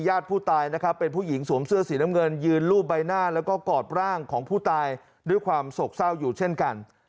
ญาติผู้ตายนะครับเป็นผู้หญิงสวมเสื้อสีน้ำเงินยืนรูปใบหน้าแล้วก็กอดร่างของผู้ตายด้วยความโศกเศร้าอยู่เช่นกัน